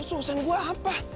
itu urusan gue apa